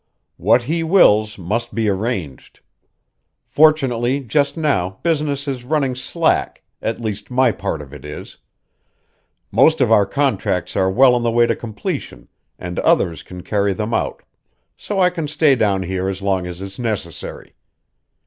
"What he wills must be arranged. Fortunately just now business is running slack, at least my part of it is. Most of our contracts are well on the way to completion and others can carry them out, so I can stay down here as long as is necessary.